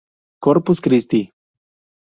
Corpus Cristi.